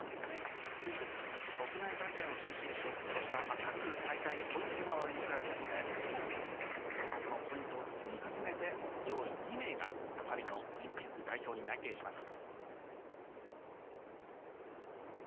国内大会を中心とした各大会にポイントが割り振られていてそのポイントを積み重ねて上位２名がパリのオリンピック代表に内定します。